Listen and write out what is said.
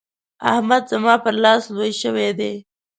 احمد زما پر لاس لوی شوی دی.